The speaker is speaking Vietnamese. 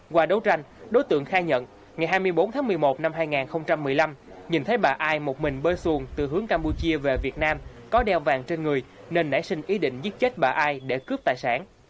qua đấu tranh đối tượng khai nhận ngày hai mươi bốn tháng một mươi một năm hai nghìn một mươi năm nhìn thấy bà ai một mình bơi xuồng từ hướng campuchia về việt nam có đeo vàng trên người nên nảy sinh ý định giết chết bà ai để cướp tài sản